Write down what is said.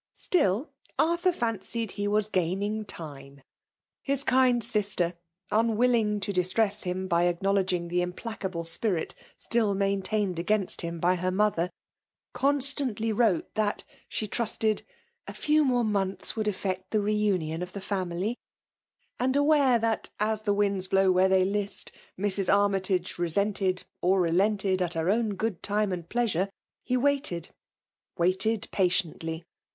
Still, Arthur fancied he was gaining time. His kind sister, unwilling to distress him by acknowledging the implacable spirit still main« tained against him by her mother, constantly wrote that, she trusted " a few more months would effect the re union of the family ;" and aware that, as the winds blow where they list, Mrs. Armytagc resented or relented at her own good time and pleasure, he waited — ^waited patiently.